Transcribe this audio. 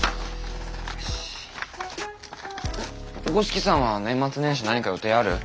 五色さんは年末年始何か予定ある？